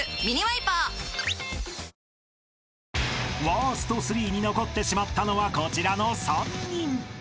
［ワースト３に残ってしまったのはこちらの３人］